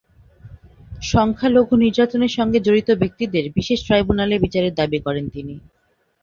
সংখ্যালঘু নির্যাতনের সঙ্গে জড়িত ব্যক্তিদের বিশেষ ট্রাইব্যুনালে বিচারের দাবি করেন তিনি।